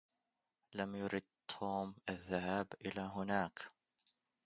لم يرد توم الذهاب إلى هناك.